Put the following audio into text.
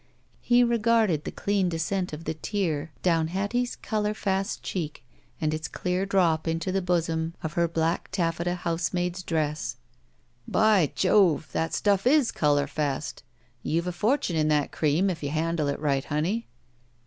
'* He regarded the clean descent of the tear down Hattie's color fast cheek and its clear drop into the bosom of her black taffeta housemaid's dress. By Jove! The stuff is color fast! You've a fortune in that cream if you handle it right, honey."